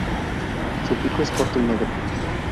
Su pico es corto y negro.